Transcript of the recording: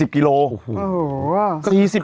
๔๐กิโลเมตร